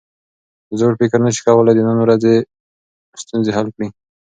زوړ فکر نسي کولای د نن ورځې ستونزې حل کړي.